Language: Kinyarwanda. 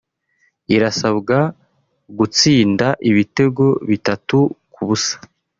irasabwa gutsinda ibitego bitatu ku busa